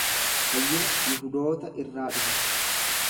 Fayyina Yihudoota irraa dhufa.